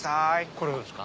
これをですか？